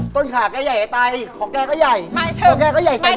ต้นขาใกล้ใหญ่ไอไดของแกก็ใหญ่